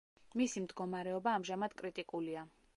მისი მდგომარეობა ამჟამად კრიტიკულია.